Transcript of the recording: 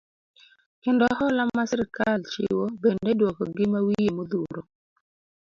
Kendo hola ma sirikal chiwo, bende iduoko gi mawiye modhuro.